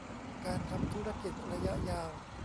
การทำธุรกิจระยะยาว